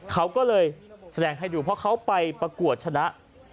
เขาก็เลยแสดงให้ดูเพราะเขาไปประกวดชนะ